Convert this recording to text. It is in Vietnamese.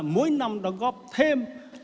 mỗi năm đóng góp thêm